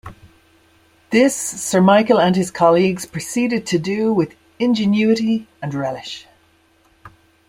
This Sir Michael and his colleagues proceeded to do with ingenuity and relish.